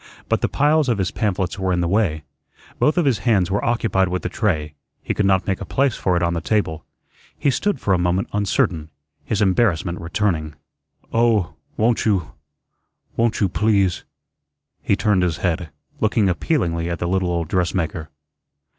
But the piles of his pamphlets were in the way. Both of his hands were occupied with the tray; he could not make a place for it on the table. He stood for a moment uncertain, his embarrassment returning. "Oh, won't you won't you please " He turned his head, looking appealingly at the little old dressmaker.